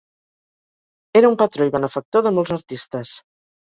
Era un patró i benefactor de molts artistes.